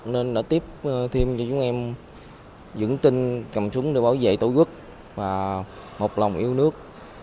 nên đã tiếp thêm cho chúng em dưỡng tin cầm súng để bảo vệ tổ quốc và hợp lòng yêu nước